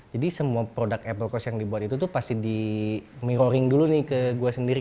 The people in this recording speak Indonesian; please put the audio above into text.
jadi semua produk apple coast yang dibuat itu tuh pasti di mirroring dulu nih ke gue sendiri